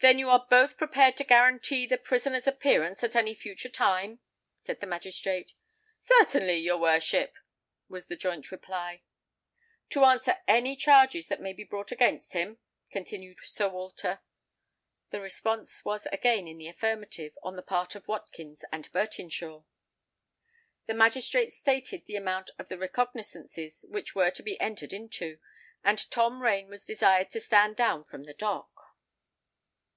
"Then you are both prepared to guarantee the prisoner's appearance at any future time?" said the magistrate. "Certainly, your worship," was the joint reply. "To answer any charge that may be brought against him?" continued Sir Walter. The response was again in the affirmative on the part of Watkins and Bertinshaw. The magistrate stated the amount of the recognizances which were to be entered into, and Tom Rain was desired to stand down from the dock.